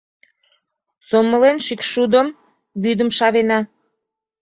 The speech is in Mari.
Сомылен шӱкшудым, вӱдым шавена.